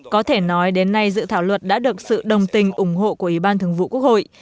có thể nói đến nay dự thảo luật đã được sự đồng tình ủng hộ của ủy ban thường vụ quốc hội